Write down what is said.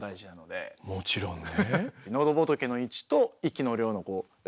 もちろんね。